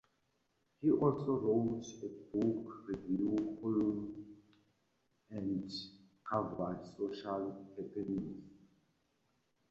He also wrote a book review column and covered social happenings.